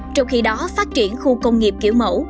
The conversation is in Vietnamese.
trong khi đó phát triển khu công nghiệp kiểu mẫu